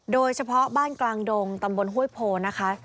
โดยเฉพาะบ้านกลางดงตำบลห้วยโพนะคะ